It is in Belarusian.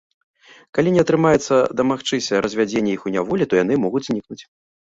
Калі не атрымаецца дамагчыся развядзення іх у няволі, то яны могуць знікнуць.